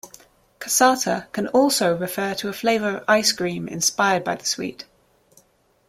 "Cassata" can also refer to a flavor of ice-cream inspired by the sweet.